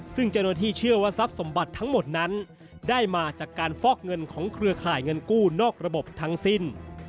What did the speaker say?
ซึ่งเจ้าหน้าที่เชื่อว่าทรัพย์สมบัติทั้งหมดนั้นได้มาจากการฟอกเงินของเครือข่ายเงินกู้นอกระบบทั้งสิ้น